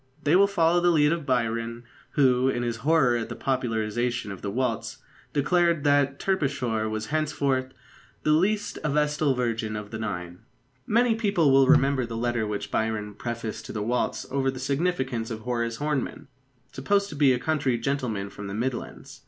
They will follow the lead of Byron, who, in his horror at the popularisation of the waltz, declared that Terpsichore was henceforth "the least a vestal virgin of the Nine." Many people will remember the letter which Byron prefaced to The Waltz over the signature of Horace Hornem, supposed to be a country gentleman from the Midlands.